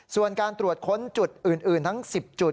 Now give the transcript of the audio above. ส่วนการตรวจค้นจุดอื่นทั้ง๑๐จุด